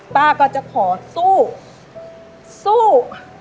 ป้าก็จะขอสู้สู้